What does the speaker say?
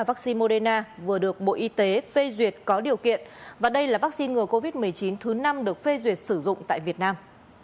vaccine moderna vừa được bộ y tế phê duyệt có điều kiện và đây là vaccine ngừa covid một mươi chín thứ năm được phê duyệt sử dụng tại việt nam